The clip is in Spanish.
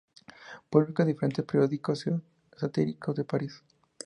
Publicó en diferentes periódicos satíricos de París.